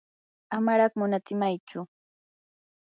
amaraq munatsimaychu.